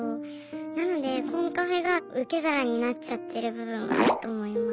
なのでコンカフェが受け皿になっちゃってる部分はあると思います。